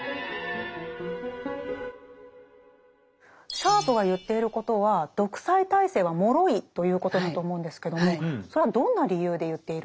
シャープが言っていることは独裁体制は脆いということだと思うんですけどもそれはどんな理由で言っているんですか？